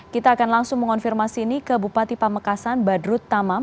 kita akan langsung mengonfirmasi ini ke bupati pamekasan badrut tamam